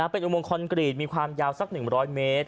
เป็นอุโมงคอนกรีตมีความยาวสัก๑๐๐เมตร